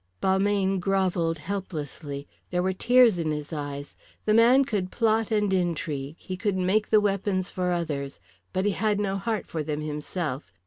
Balmayne grovelled helplessly. There were tears in his eyes. The man could plot and intrigue, he could make the weapons for others, but he had no heart for them himself.